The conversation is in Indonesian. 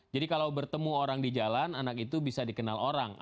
jadi kalau bertemu orang di jalan anak itu bisa dikenal orangnya